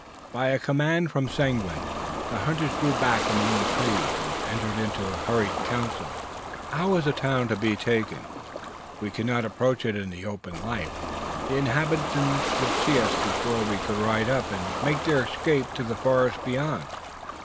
By a command from Seguin the hunters drew back among the trees, and entered into a hurried council. How was the town to be taken? We could not approach it in the open light. The inhabitants would see us before we could ride up, and make their escape to the forest beyond.